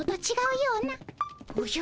おじゃ。